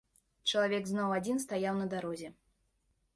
Чалавек зноў адзін стаяў на дарозе.